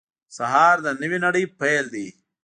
سهار د نوې نړۍ پیل دی.